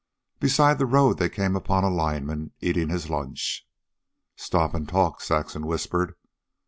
Beside the road they came upon a lineman eating his lunch. "Stop and talk," Saxon whispered.